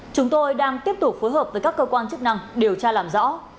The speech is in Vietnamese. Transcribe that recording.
chúng tôi đang tiếp tục phối hợp với các cơ quan chức năng điều tra làm rõ